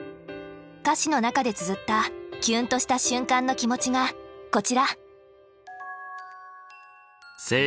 歌詞の中でつづったキュンとした瞬間の気持ちがこちら。